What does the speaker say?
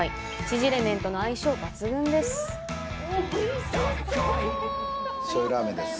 ちぢれ麺との相性抜群です！